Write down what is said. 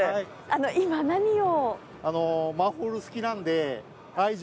今、何を。